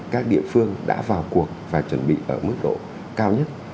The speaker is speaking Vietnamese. các địa phương đã vào cuộc và chuẩn bị ở mức độ cao nhất